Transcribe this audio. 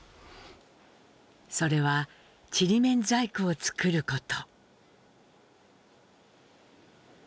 それはちりめん細工を作ること。